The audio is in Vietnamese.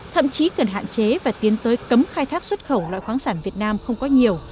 thậm chí cần hạn chế và tiến tới cấm khai thác xuất khẩu loại khoáng sản việt nam không có nhiều